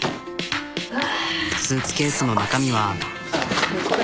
スーツケースの中身は。